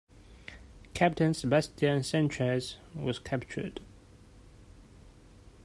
Captain Sebastian Sanchez was captured.